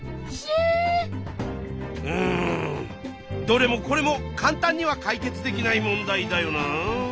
どれもこれも簡単には解決できない問題だよな。